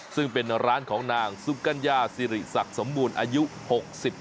ซึ่งเป็นร้านของนางซุกัญญาสิริศักดิ์สมบูรณ์อายุ๖๐ปี